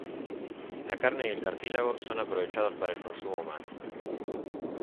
La carne y el cartílago son aprovechados para el consumo humano